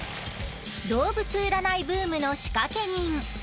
動物占いブームの仕掛け人。